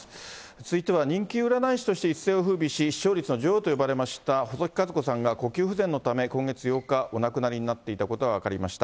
続いては人気占い師として一世をふうびし、視聴率の女王と呼ばれました、細木数子さんが呼吸不全のため、今月８日、お亡くなりになっていたことが分かりました。